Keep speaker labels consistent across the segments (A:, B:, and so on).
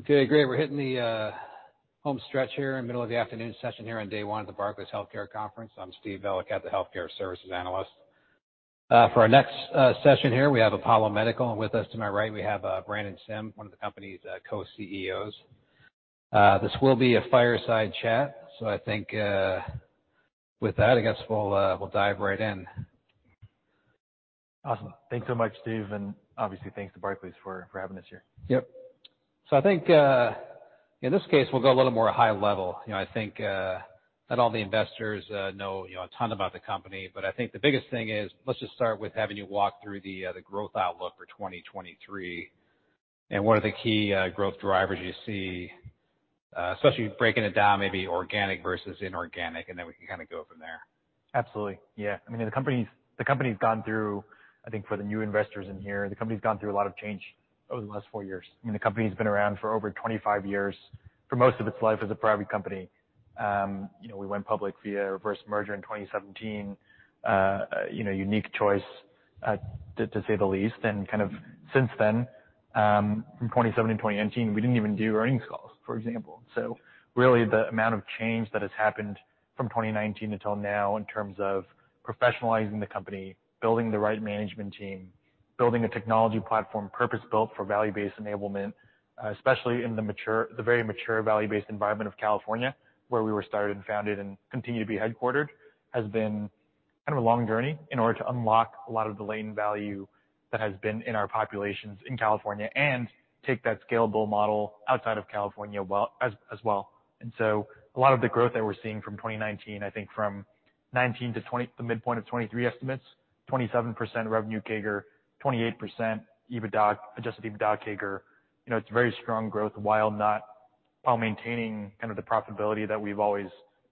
A: Okay, great. We're hitting the home stretch here in the middle of the afternoon session here on day one at the Barclays Healthcare Conference. I'm Steve Valiquette, the healthcare services analyst. For our next session here, we have Apollo Medical. With us to my right, we have Brandon Sim, one of the company's Co-CEOs. This will be a fireside chat. I think with that, I guess we'll dive right in.
B: Awesome. Thanks so much, Steve. Obviously, thanks to Barclays for having us here.
A: Yep. I think, in this case, we'll go a little more high level. You know, I think that all the investors know, you know, a ton about the company. I think the biggest thing is let's just start with having you walk through the growth outlook for 2023 and what are the key growth drivers you see, especially breaking it down maybe organic versus inorganic, and then we can kinda go from there.
B: Absolutely. Yeah. I mean, the company's gone through, I think for the new investors in here, the company's gone through a lot of change over the last four years. I mean, the company's been around for over 25 years, for most of its life as a private company. you know, we went public via reverse merger in 2017, you know, unique choice to say the least. kind of since then, from 2017 to 2019, we didn't even do earnings calls, for example. Really the amount of change that has happened from 2019 until now in terms of professionalizing the company, building the right management team, building a technology platform purpose-built for value-based enablement, especially in the very mature value-based environment of California, where we were started and founded and continue to be headquartered, has been kind of a long journey in order to unlock a lot of the latent value that has been in our populations in California and take that scalable model outside of California as well. A lot of the growth that we're seeing from 2019, I think from 2019 to the midpoint of 2023 estimates, 27% revenue CAGR, 28% EBITDA, adjusted EBITDA CAGR. You know, it's very strong growth while maintaining kind of the profitability that we've always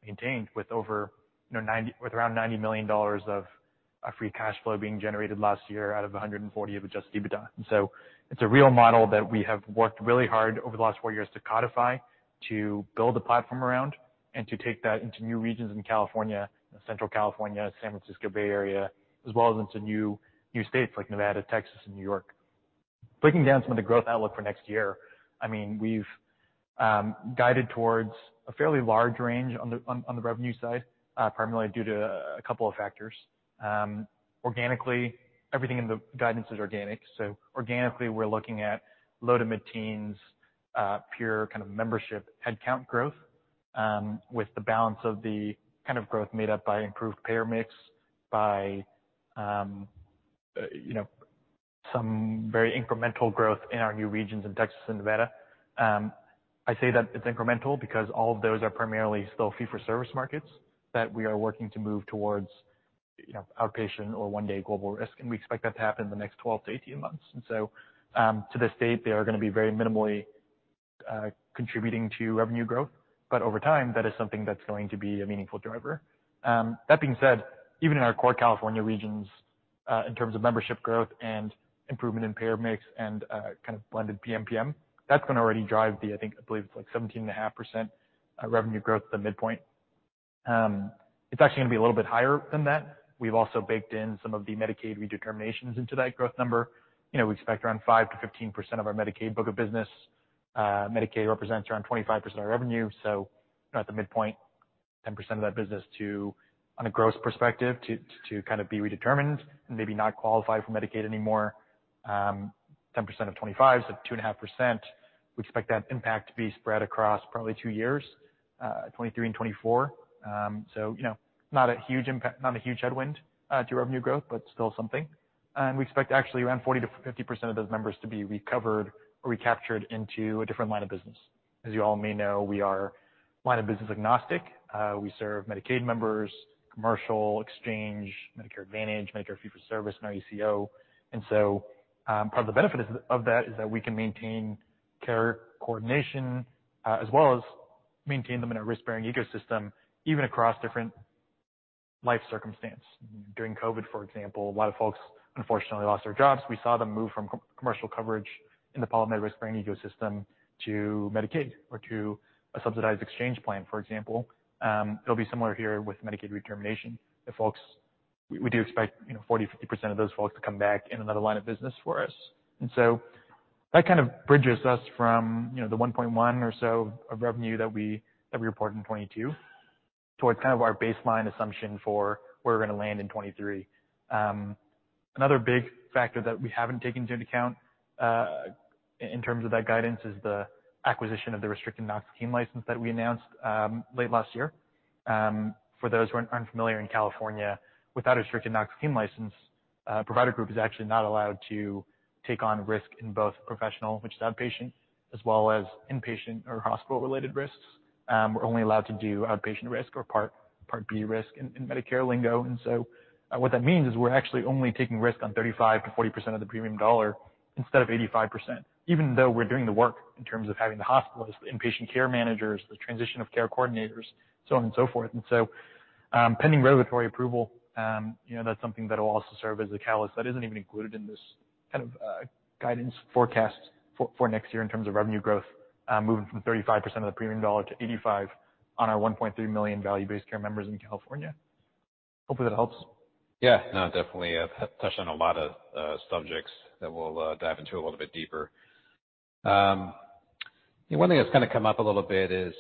B: maintained with around $90 million of free cash flow being generated last year out of $140 million of adjusted EBITDA. It's a real model that we have worked really hard over the last four years to codify, to build a platform around and to take that into new regions in California, Central California, San Francisco Bay Area, as well as into new states like Nevada, Texas and New York. Breaking down some of the growth outlook for next year, I mean, we've guided towards a fairly large range on the revenue side, primarily due to a couple of factors. Organically, everything in the guidance is organic. Organically, we're looking at low to mid-teens, pure kind of membership headcount growth, with the balance of the kind of growth made up by improved payer mix, by, you know, some very incremental growth in our new regions in Texas and Nevada. I say that it's incremental because all of those are primarily still fee-for-service markets that we are working to move towards, you know, outpatient or one-day global risk, and we expect that to happen in the next 12-18 months. To this date, they are gonna be very minimally, contributing to revenue growth, but over time, that is something that's going to be a meaningful driver. That being said, even in our core California regions, in terms of membership growth and improvement in payer mix and kind of blended PMPM, that's gonna already drive the, I think, I believe it's 17.5% revenue growth at the midpoint. It's actually gonna be a little bit higher than that. We've also baked in some of the Medicaid redeterminations into that growth number. You know, we expect around 5%-15% of our Medicaid book of business. Medicaid represents around 25% of our revenue. At the midpoint, 10% of that business to, on a gross perspective, to kind of be redetermined and maybe not qualify for Medicaid anymore. 10% of 25, so 2.5%. We expect that impact to be spread across probably two years, 2023 and 2024. You know, not a huge headwind to revenue growth, but still something. We expect actually around 40%-50% of those members to be recovered or recaptured into a different line of business. As you all may know, we are line of business agnostic. We serve Medicaid members, commercial, exchange, Medicare Advantage, Medicare fee for service and ACO. Part of the benefit is that we can maintain care coordination, as well as maintain them in a risk-bearing ecosystem, even across different life circumstance. During COVID, for example, a lot of folks unfortunately lost their jobs. We saw them move from co-commercial coverage in the Apollo Medical risk-bearing ecosystem to Medicaid or to a subsidized exchange plan, for example. It'll be similar here with Medicaid redetermination. The folks we do expect, you know, 40%, 50% of those folks to come back in another line of business for us. That kind of bridges us from, you know, the $1.1 or so of revenue that we reported in 2022 towards kind of our baseline assumption for where we're gonna land in 2023. Another big factor that we haven't taken into account in terms of that guidance is the acquisition of the Restricted Knox-Keene License that we announced late last year. For those who are unfamiliar in California, without a Restricted Knox-Keene License, provider group is actually not allowed to take on risk in both professional, which is outpatient, as well as inpatient or hospital-related risks. We're only allowed to do outpatient risk or Part B risk in Medicare lingo. What that means is we're actually only taking risk on 35%-40% of the premium dollar instead of 85%, even though we're doing the work in terms of having the hospitals, the inpatient care managers, the transition of care coordinators, so on and so forth. Pending regulatory approval, you know, that's something that will also serve as a catalyst that isn't even included in this kind of guidance forecast for next year in terms of revenue growth, moving from 35% of the premium dollar to 85 on our 1.3 million value-based care members in California. Hopefully that helps.
A: Yeah, no, definitely. Touched on a lot of subjects that we'll dive into a little bit deeper. One thing that's gonna come up a little bit is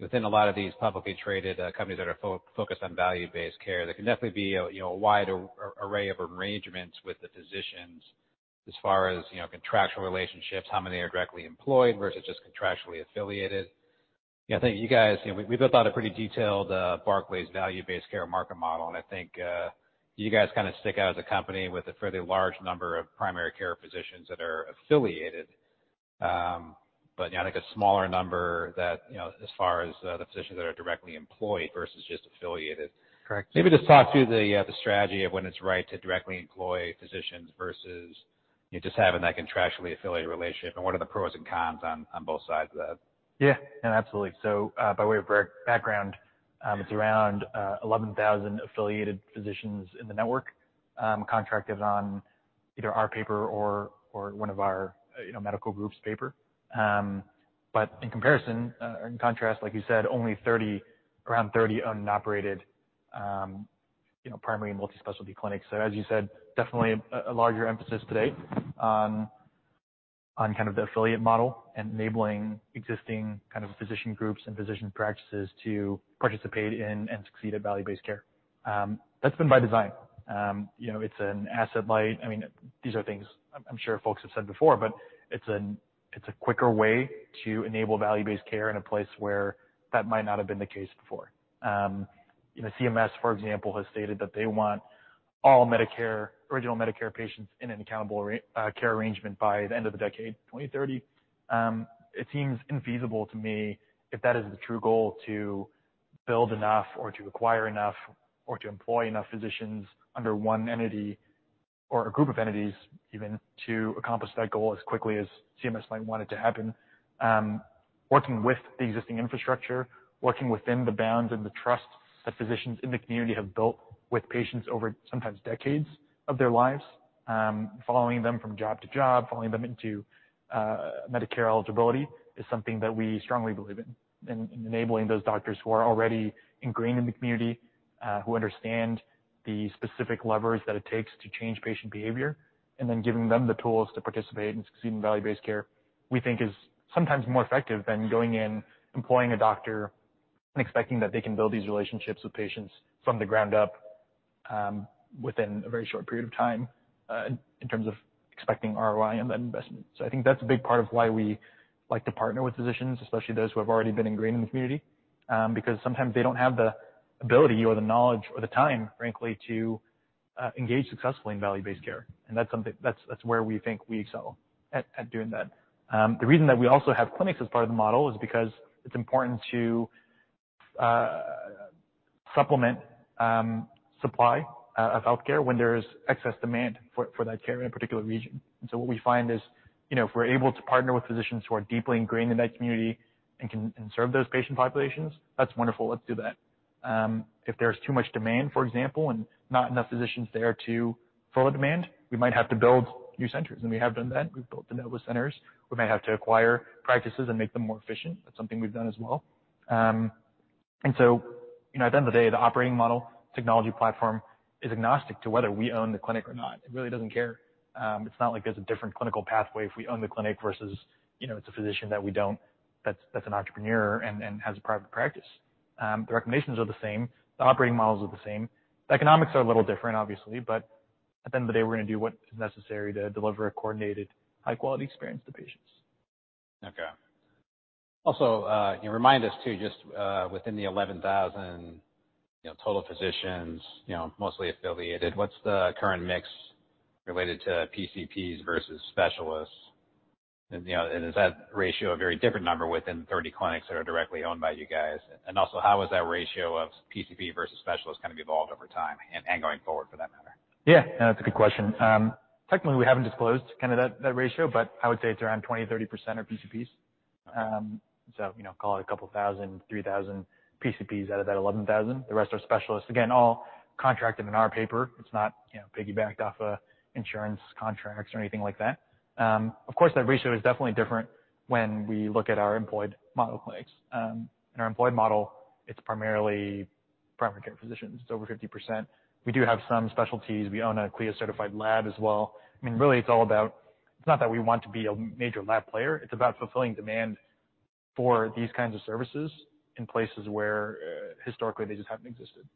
A: within a lot of these publicly traded companies that are focused on value-based care, there can definitely be a, you know, a wide array of arrangements with the physicians as far as, you know, contractual relationships, how many are directly employed versus just contractually affiliated. I think you guys, you know, we built out a pretty detailed Barclays value-based care market model. I think you guys kinda stick out as a company with a fairly large number of primary care physicians that are affiliated. Yeah, I think a smaller number that, you know, as far as the physicians that are directly employed versus just affiliated.
B: Correct.
A: Maybe just talk through the strategy of when it's right to directly employ physicians versus you just having that contractually affiliated relationship and what are the pros and cons on both sides of that?
B: Yeah, no, absolutely. By way of background, it's around 11,000 affiliated physicians in the network, contracted on either our paper or one of our, you know, medical groups' paper. In comparison, or in contrast, like you said, only 30, around 30 owned and operated, you know, primary and multi-specialty clinics. As you said, definitely a larger emphasis today on kind of the affiliate model and enabling existing kind of physician groups and physician practices to participate in and succeed at value-based care. That's been by design. You know, it's an asset light... I mean, these are things I'm sure folks have said before, but it's a quicker way to enable value-based care in a place where that might not have been the case before. you know, CMS, for example, has stated that they want all Medicare, original Medicare patients in an accountable care arrangement by the end of the decade, 2030. It seems infeasible to me if that is the true goal to build enough or to acquire enough or to employ enough physicians under one entity or a group of entities even, to accomplish that goal as quickly as CMS might want it to happen. Working with the existing infrastructure, working within the bounds and the trust that physicians in the community have built with patients over sometimes decades of their lives, following them from job to job, following them into Medicare eligibility, is something that we strongly believe in. Enabling those doctors who are already ingrained in the community, who understand the specific levers that it takes to change patient behavior, and then giving them the tools to participate and succeed in value-based care, we think is sometimes more effective than going in, employing a doctor and expecting that they can build these relationships with patients from the ground up, within a very short period of time, in terms of expecting ROI on that investment. I think that's a big part of why we like to partner with physicians, especially those who have already been ingrained in the community, because sometimes they don't have the ability or the knowledge or the time, frankly, to engage successfully in value-based care. That's where we think we excel at doing that. The reason that we also have clinics as part of the model is because it's important to supplement supply of healthcare when there is excess demand for that care in a particular region. What we find is, you know, if we're able to partner with physicians who are deeply ingrained in that community and can serve those patient populations, that's wonderful. Let's do that. If there's too much demand, for example, and not enough physicians there to fill the demand, we might have to build new centers, and we have done that. We've built the Nova centers. We may have to acquire practices and make them more efficient. That's something we've done as well. You know, at the end of the day, the operating model technology platform is agnostic to whether we own the clinic or not. It really doesn't care. It's not like there's a different clinical pathway if we own the clinic versus, you know, it's a physician that we don't, that's an entrepreneur and has a private practice. The recommendations are the same. The operating models are the same. The economics are a little different, obviously, but at the end of the day, we're gonna do what is necessary to deliver a coordinated high-quality experience to patients.
A: Okay. Also, can you remind us too, just, within the 11,000, you know, total physicians, you know, mostly affiliated, what's the current mix related to PCPs versus specialists? You know, and is that ratio a very different number within 30 clinics that are directly owned by you guys? Also, how has that ratio of PCP versus specialists kind of evolved over time and going forward for that matter?
B: That's a good question. Technically, we haven't disclosed kind of that ratio, but I would say it's around 20%, 30% are PCPs. You know, call it a 2,000, 3,000 PCPs out of that 11,000. The rest are specialists. Again, all contracted in our paper. It's not, you know, piggybacked off of insurance contracts or anything like that. Of course, that ratio is definitely different when we look at our employed model clinics. In our employed model, it's primarily primary care physicians. It's over 50%. We do have some specialties. We own a CLIA-certified lab as well. I mean, really, it's all about. It's not that we want to be a major lab player. It's about fulfilling demand for these kinds of services in places where historically they just haven't existed.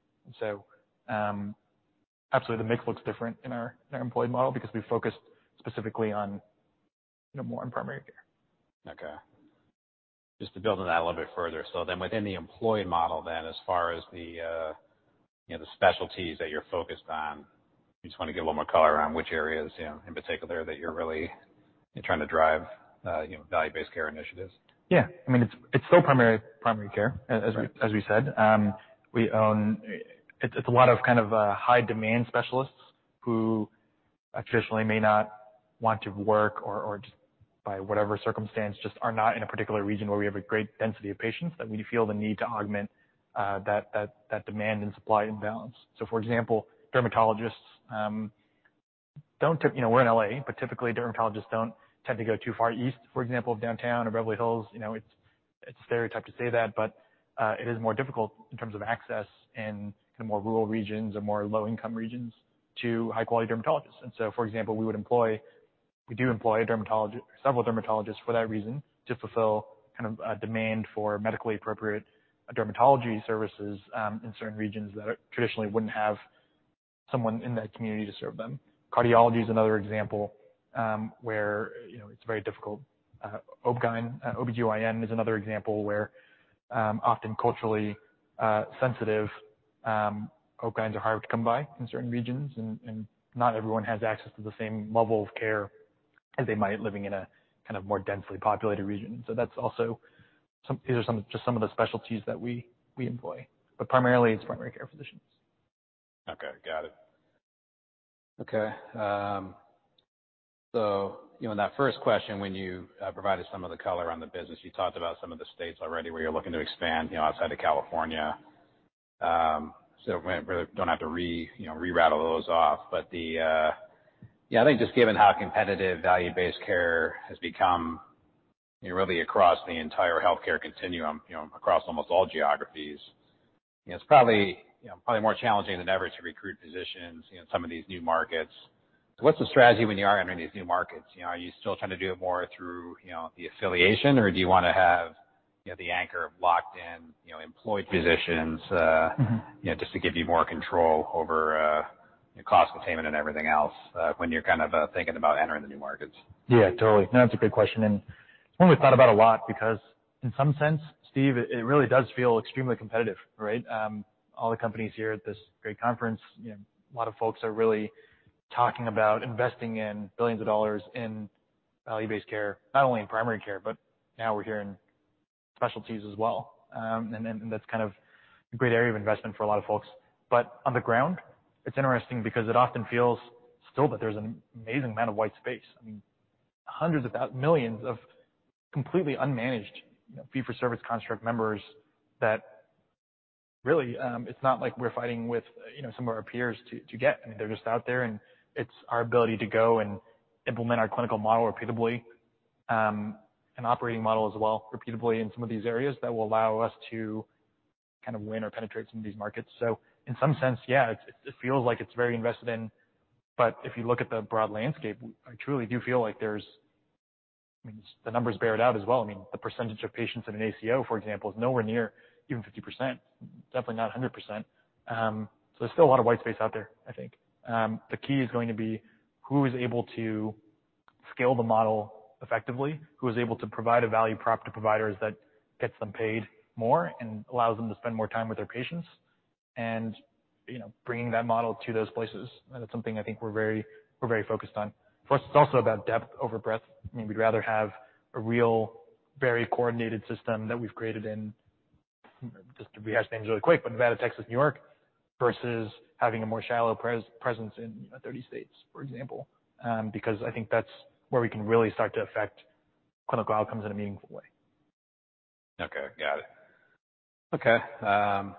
B: Absolutely the mix looks different in our, in our employed model because we focus specifically on, you know, more on primary care.
A: Okay. Just to build on that a little bit further. Within the employed model then, as far as the, you know, the specialties that you're focused on, you just wanna give a little more color around which areas, you know, in particular that you're really, you're trying to drive, you know, value-based care initiatives?
B: Yeah. I mean, it's still primary care.
A: Right.
B: As we said. It's a lot of kind of high demand specialists who traditionally may not want to work or just by whatever circumstance, just are not in a particular region where we have a great density of patients that we feel the need to augment that demand and supply imbalance. For example, dermatologists, you know, we're in L.A., but typically dermatologists don't tend to go too far east, for example, of downtown or Beverly Hills. You know, it's a stereotype to say that, but it is more difficult in terms of access in the more rural regions or more low-income regions to high-quality dermatologists. For example, we do employ several dermatologists for that reason to fulfill kind of a demand for medically appropriate dermatology services in certain regions that traditionally wouldn't have someone in that community to serve them. Cardiology is another example, where, you know, it's very difficult. OBGYN is another example where often culturally sensitive OBGYNs are hard to come by in certain regions and not everyone has access to the same level of care as they might living in a kind of more densely populated region. These are some, just some of the specialties that we employ, but primarily it's primary care physicians.
A: Okay, got it. Okay. You know, in that first question, when you provided some of the color on the business, you talked about some of the states already where you're looking to expand, you know, outside of California. We don't have to rerattle those off. The yeah, I think just given how competitive value-based care has become, you know, really across the entire healthcare continuum, you know, across almost all geographies, you know, it's probably more challenging than ever to recruit physicians in some of these new markets. What's the strategy when you are entering these new markets? You know, are you still trying to do it more through, you know, the affiliation or do you wanna have, you know, the anchor locked in, you know, employed physicians?
B: Mm-hmm.
A: You know, just to give you more control over cost containment and everything else, when you're kind of thinking about entering the new markets?
B: Yeah, totally. No, that's a good question, and it's one we thought about a lot because in some sense, Steve, it really does feel extremely competitive, right? All the companies here at this great conference, you know, a lot of folks are really talking about investing in billions of dollars in value-based care, not only in primary care, but now we're hearing specialties as well. That's kind of a great area of investment for a lot of folks. On the ground, it's interesting because it often feels still that there's an amazing amount of white space. I mean, millions of completely unmanaged fee-for-service construct members that really, it's not like we're fighting with, you know, some of our peers to get. I mean, they're just out there, and it's our ability to go and implement our clinical model repeatably, an operating model as well, repeatably in some of these areas that will allow us to kind of win or penetrate some of these markets. In some sense, yeah, it feels like it's very invested in. If you look at the broad landscape, I truly do feel like there's. I mean, the numbers bear it out as well. I mean, the percentage of patients in an ACO, for example, is nowhere near even 50%, definitely not 100%. There's still a lot of white space out there, I think. The key is going to be who is able to scale the model effectively, who is able to provide a value prop to providers that gets them paid more and allows them to spend more time with their patients and, you know, bringing that model to those places. That's something I think we're very focused on. For us, it's also about depth over breadth. I mean, we'd rather have a real, very coordinated system that we've created in, just to rehash things really quick, but Nevada, Texas, New York, versus having a more shallow presence in 30 states, for example. I think that's where we can really start to affect clinical outcomes in a meaningful way.
A: Okay, got it. Okay.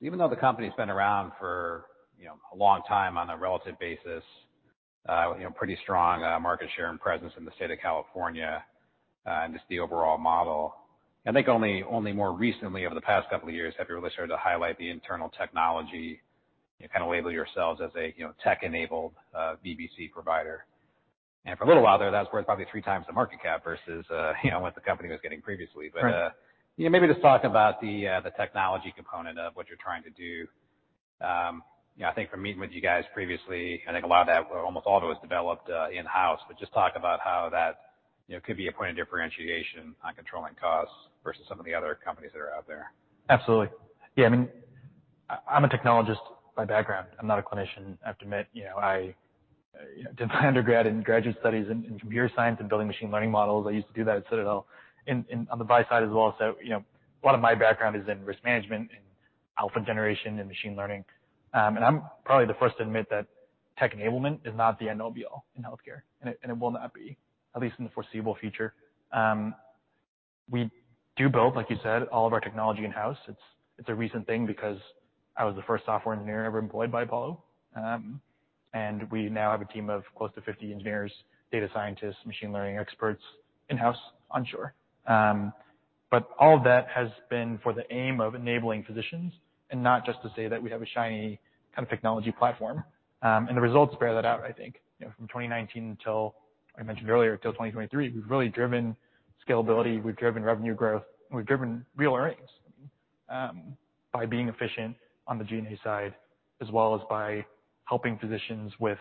A: Even though the company's been around for, you know, a long time on a relative basis, you know, pretty strong market share and presence in the state of California, and just the overall model. I think only more recently over the past couple of years have you really started to highlight the internal technology, you know, kind of label yourselves as a, you know, tech-enabled VBC provider. For a little while there, that was worth probably 3x the market cap versus, you know, what the company was getting previously.
B: Right.
A: you know, maybe just talk about the technology component of what you're trying to do. you know, I think from meeting with you guys previously, I think a lot of that or almost all of it was developed in-house. Just talk about how that, you know, could be a point of differentiation on controlling costs versus some of the other companies that are out there.
B: Absolutely. Yeah. I mean, I'm a technologist by background. I'm not a clinician, I have to admit. You know, I did my undergrad and graduate studies in computer science and building machine learning models. I used to do that at Citadel on the buy side as well. You know, one of my background is in risk management and alpha generation and machine learning. I'm probably the first to admit that tech enablement is not the end all be all in healthcare, and it will not be, at least in the foreseeable future. We do build, like you said, all of our technology in-house. It's a recent thing because I was the first software engineer ever employed by Apollo. We now have a team of close to 50 engineers, data scientists, machine learning experts in-house on shore. All that has been for the aim of enabling physicians and not just to say that we have a shiny kind of technology platform. The results bear that out, I think. From 2019 until, I mentioned earlier, till 2023, we've really driven scalability, we've driven revenue growth, we've driven real earnings by being efficient on the G&A side, as well as by helping physicians with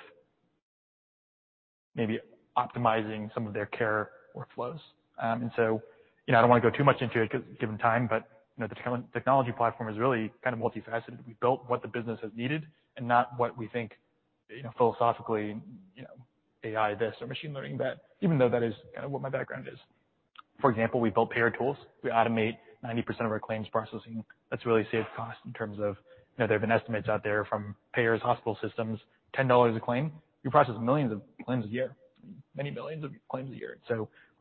B: maybe optimizing some of their care workflows. I don't want to go too much into it given time, but the technology platform is really kind of multifaceted. We built what the business has needed and not what we think philosophically, AI this or machine learning that, even though that is kind of what my background is. For example, we built payer tools. We automate 90% of our claims processing. That's really saved costs in terms of, you know, there have been estimates out there from payers, hospital systems, $10 a claim. We process millions of claims a year, many millions of claims a year.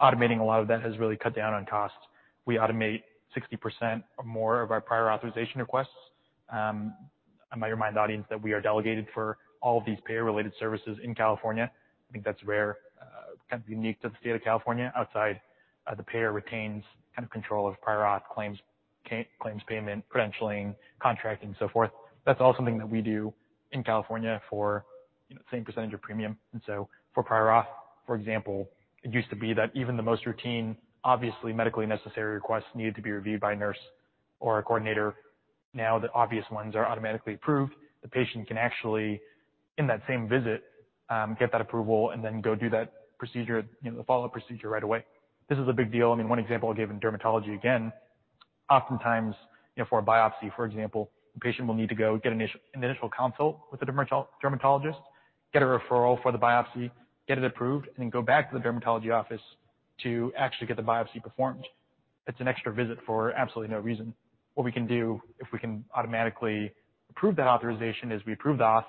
B: Automating a lot of that has really cut down on costs. We automate 60% or more of our prior authorization requests. I might remind the audience that we are delegated for all of these payer-related services in California. I think that's rare, kind of unique to the state of California outside of the payer retains kind of control of prior auth claims payment, credentialing, contracting, and so forth. That's all something that we do in California for, you know, the same percentage of premium. For prior auth, for example, it used to be that even the most routine, obviously medically necessary requests needed to be reviewed by a nurse or a coordinator. Now the obvious ones are automatically approved. The patient can actually, in that same visit, get that approval and then go do that procedure, you know, the follow-up procedure right away. This is a big deal. I mean, one example I gave in dermatology again, oftentimes, you know, for a biopsy, for example, the patient will need to go get an initial consult with a dermatologist, get a referral for the biopsy, get it approved, and then go back to the dermatology office to actually get the biopsy performed. It's an extra visit for absolutely no reason. What we can do if we can automatically approve that authorization is we approve the auth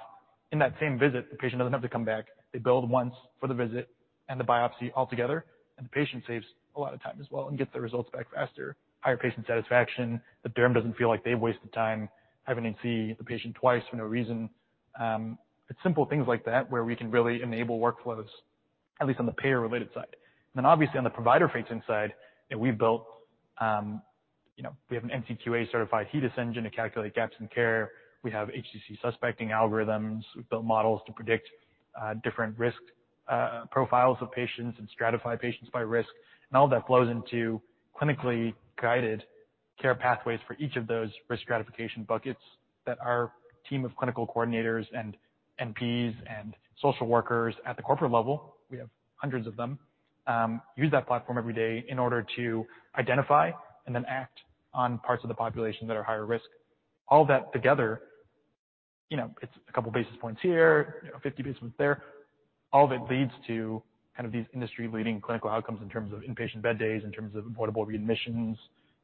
B: in that same visit. The patient doesn't have to come back. They bill once for the visit and the biopsy altogether, the patient saves a lot of time as well and gets the results back faster. Higher patient satisfaction. The derm doesn't feel like they've wasted time having to see the patient twice for no reason. It's simple things like that where we can really enable workflows, at least on the payer-related side. Obviously on the provider-facing side, you know, we've built, you know, we have an NCQA-certified HEDIS engine to calculate gaps in care. We have HCC suspecting algorithms. We've built models to predict different risk profiles of patients and stratify patients by risk. All that flows into clinically guided care pathways for each of those risk stratification buckets that our team of clinical coordinators and MPs and social workers at the corporate level, we have hundreds of them, use that platform every day in order to identify and then act on parts of the population that are higher risk. All that together, you know, it's a couple basis points here, you know, 50 basis points there. All of it leads to kind of these industry-leading clinical outcomes in terms of inpatient bed days, in terms of avoidable readmissions,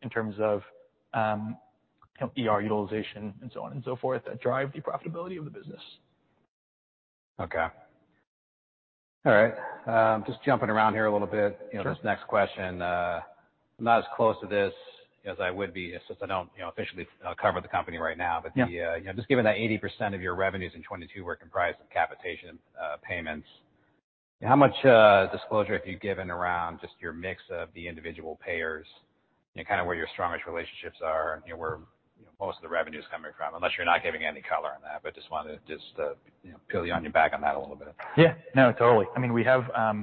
B: in terms of, you know, ER utilization and so on and so forth that drive the profitability of the business.
A: Okay. All right. Just jumping around here a little bit.
B: Sure.
A: You know, this next question, I'm not as close to this as I would be since I don't, you know, officially, cover the company right now.
B: Yeah. The, you know, just given that 80% of your revenues in 2022 were comprised of capitation payments, how much disclosure have you given around just your mix of the individual payers and kind of where your strongest relationships are and, you know, where, you know, most of the revenue is coming from? Unless you're not giving any color on that, but just wanted to just, you know, peel you on your back on that a little bit. No, totally. I mean, we have, I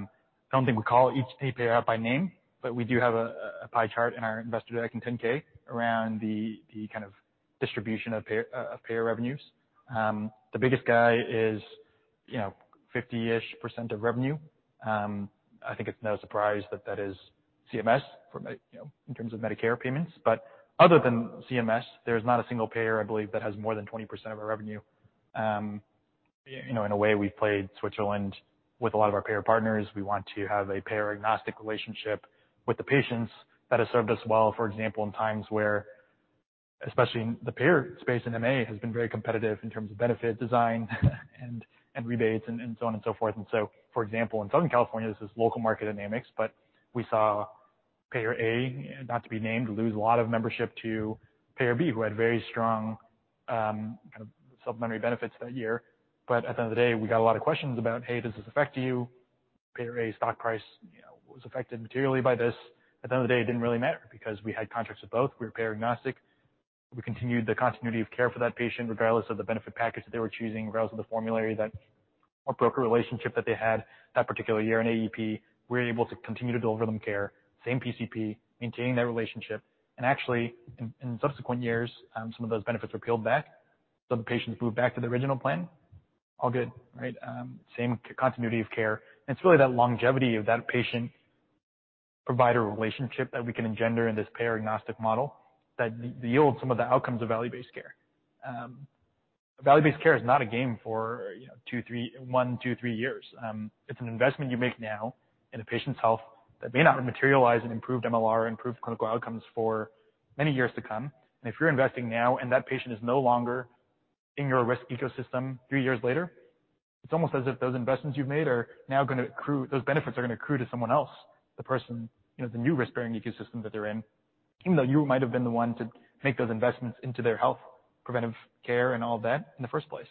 B: don't think we call each payer out by name, but we do have a pie chart in our investor deck and 10-K around the kind of distribution of payer of payer revenues. The biggest guy is, you know, 50%-ish of revenue. I think it's no surprise that that is CMS for you know, in terms of Medicare payments. Other than CMS, there's not a single payer, I believe, that has more than 20% of our revenue. You know, in a way, we've played Switzerland with a lot of our payer partners. We want to have a payer-agnostic relationship with the patients. That has served us well, for example, in times where, especially in the payer space in MA, has been very competitive in terms of benefit design and rebates and so on and so forth. For example, in Southern California, this is local market dynamics, but we saw payer A, not to be named, lose a lot of membership to payer B, who had very strong, kind of supplementary benefits that year. At the end of the day, we got a lot of questions about, "Hey, does this affect you? Payer A stock price, you know, was affected materially by this." At the end of the day, it didn't really matter because we had contracts with both. We were payer agnostic. We continued the continuity of care for that patient regardless of the benefit package that they were choosing, regardless of the formulary that or broker relationship that they had that particular year in AEP. We were able to continue to deliver them care, same PCP, maintaining that relationship. Actually, in subsequent years, some of those benefits were peeled back, so the patients moved back to the original plan. All good, right? Same continuity of care. It's really that longevity of that patient-provider relationship that we can engender in this payer-agnostic model that yield some of the outcomes of value-based care. Value-based care is not a game for, you know, one, two, or three years. It's an investment you make now in a patient's health that may not materialize in improved MLR, improved clinical outcomes for many years to come. If you're investing now and that patient is no longer in your risk ecosystem three years later, it's almost as if those investments you've made are now gonna accrue, those benefits are gonna accrue to someone else, the person, you know, the new risk-bearing ecosystem that they're in, even though you might have been the one to make those investments into their health, preventive care and all that in the first place.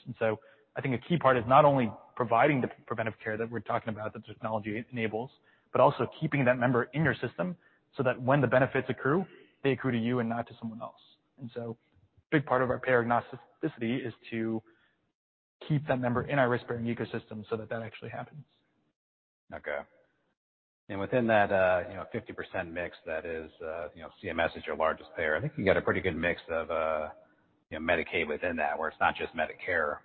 B: I think a key part is not only providing the preventive care that we're talking about, that the technology enables, but also keeping that member in your system so that when the benefits accrue, they accrue to you and not to someone else. Big part of our payer agnosticity is to keep that member in our risk-bearing ecosystem so that that actually happens.
A: Okay. Within that, you know, 50% mix that is, you know, CMS is your largest payer. I think you got a pretty good mix of, you know, Medicaid within that, where it's not just Medicare.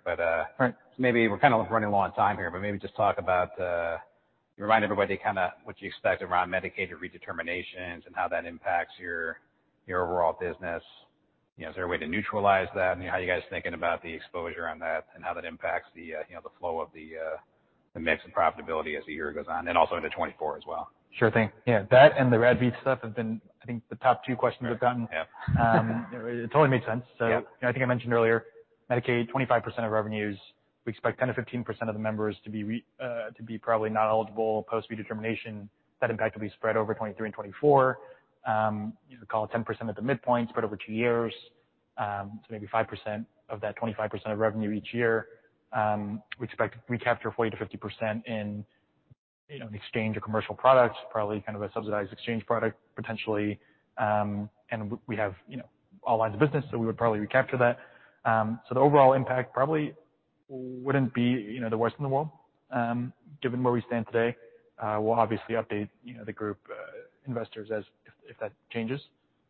B: Right.
A: Maybe we're kind of running low on time here, but maybe just talk about, remind everybody kinda what you expect around Medicaid redeterminations and how that impacts your overall business. You know, is there a way to neutralize that? How are you guys thinking about the exposure on that and how that impacts the, you know, the flow of the mix and profitability as the year goes on, and also into 2024 as well?
B: Sure thing. That and the RADV stuff have been, I think, the top two questions I've gotten.
A: Yeah.
B: it totally made sense.
A: Yeah.
B: I think I mentioned earlier, Medicaid, 25% of revenues. We expect 10%-15% of the members to be probably not eligible post redetermination. That impact will be spread over 2023 and 2024. You could call it 10% at the midpoint, spread over two years, so maybe 5% of that 25% of revenue each year. We expect to recapture 40%-50% in, you know, an exchange of commercial products, probably kind of a subsidized exchange product potentially. And we have, you know, all lines of business, so we would probably recapture that. So the overall impact probably wouldn't be, you know, the worst in the world, given where we stand today. We'll obviously update, you know, the group, investors as if that changes.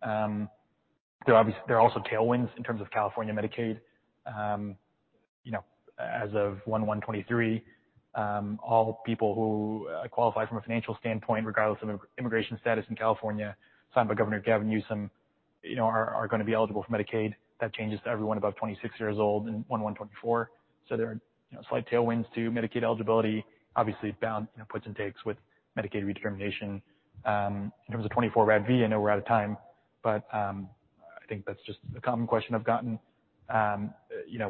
B: There are also tailwinds in terms of California Medicaid. You know, 1/1/2023, all people who qualify from a financial standpoint, regardless of immigration status in California, signed by Governor Gavin Newsom, you know, are gonna be eligible for Medicaid. That changes to everyone above 26 years old in 1/1/2024. There are, you know, slight tailwinds to Medicaid eligibility, obviously bound, you know, puts and takes with Medicaid redetermination. In terms of 2024 RADV, I know we're out of time, but I think that's just a common question I've gotten. You know,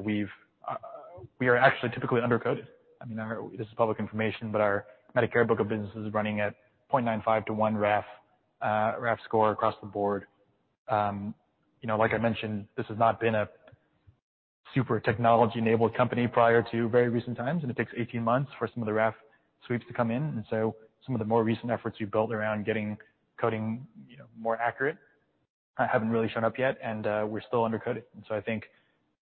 B: we are actually typically undercoded. I mean, our This is public information, but our Medicare book of business is running at 0.95 to 1 RAF score across the board. You know, like I mentioned, this has not been a super technology-enabled company prior to very recent times, and it takes 18 months for some of the RAF sweeps to come in. Some of the more recent efforts we've built around getting coding, you know, more accurate, haven't really shown up yet and we're still undercoded. I think,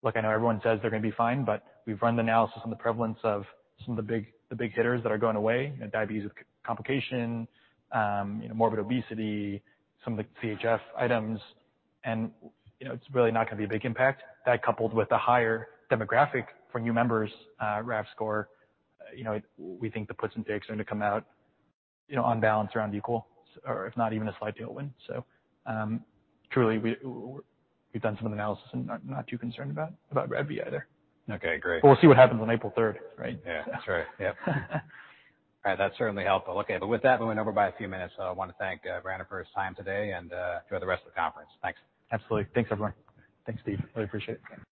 B: look, I know everyone says they're gonna be fine, but we've run the analysis on the prevalence of some of the big hitters that are going away, you know, diabetes with complication, you know, morbid obesity, some of the CHF items. You know, it's really not gonna be a big impact. That coupled with the higher demographic for new members', RAF score, you know, we think the puts and takes are gonna come out, you know, on balance around equal or if not even a slight tailwind. Truly we've done some analysis and are not too concerned about RADV either.
A: Okay, great.
B: We'll see what happens on April 3rd, right?
A: Yeah, that's right. Yep. All right. That certainly helped. Well, okay. With that, we went over by a few minutes. I wanna thank Brandon Sim for his time today, and enjoy the rest of the conference. Thanks.
B: Absolutely. Thanks, everyone. Thanks, Steve. Really appreciate it.